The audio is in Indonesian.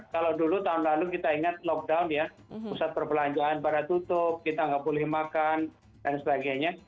kalau dulu tahun lalu kita ingat lockdown ya pusat perbelanjaan barat tutup kita nggak boleh makan dan sebagainya